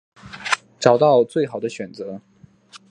找到最好的选择